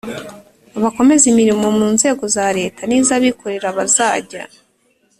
bakoze imirimo mu nzego za Leta n iz abikorera bazajya